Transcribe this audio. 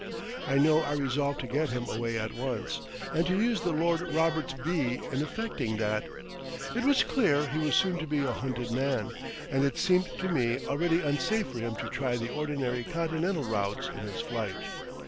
I know I resolved to get him away at once, and to use the Lord Roberts β in effecting that. It was clear he was soon to be a hunted man, and it seemed to me already unsafe for him to try the ordinary Continental routes in his flight.